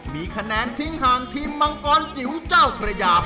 มีคะแนนทิ้งห่างทีมมังกรจิ๋วเจ้าพระยา